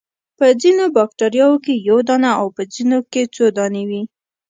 په ځینو باکتریاوو کې یو دانه او په ځینو کې څو دانې وي.